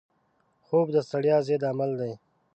خوب د ستړیا ضد عمل دی